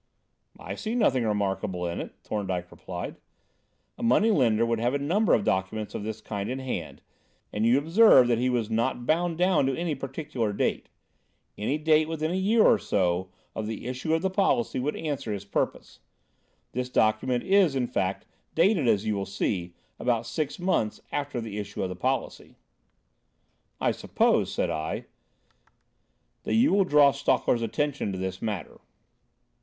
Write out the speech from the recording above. "I see nothing remarkable in it," Thorndyke replied. "A moneylender would have a number of documents of this kind in hand, and you observe that he was not bound down to any particular date. Any date within a year or so of the issue of the policy would answer his purpose. This document is, in fact, dated, as you see, about six months after the issue of the policy." "I suppose," said I, "that you will draw Stalker's attention to this matter."